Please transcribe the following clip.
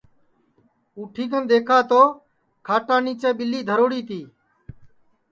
اُٹھی کن دؔیکھا تو کھاٹا نیچے ٻیلی دھروڑی تی